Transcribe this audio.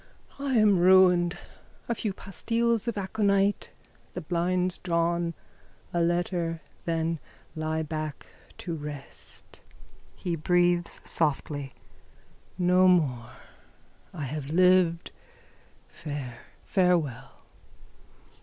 _ I am ruined. A few pastilles of aconite. The blinds drawn. A letter. Then lie back to rest. (He breathes softly.) No more. I have lived. Fare. Farewell.